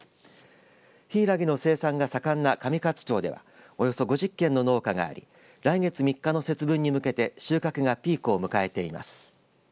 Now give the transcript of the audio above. ひいらぎの生産が盛んな上勝町ではおよそ５０軒の農家があり来月３日の節分に向けて収穫がピークを迎えています。